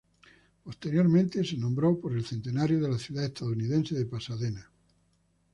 Posteriormente se nombró por el centenario de la ciudad estadounidense de Pasadena.